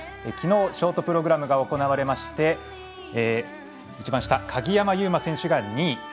きのう、ショートプログラムが行われまして鍵山優真選手が２位。